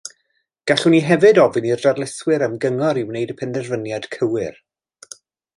Gallwn i hefyd ofyn i'r darlithwyr am gyngor i wneud y penderfyniad cywir